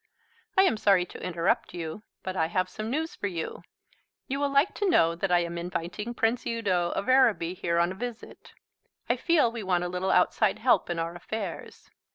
"I am sorry to interrupt you, but I have some news for you. You will like to know that I am inviting Prince Udo of Araby here on a visit. I feel we want a little outside help in our affairs."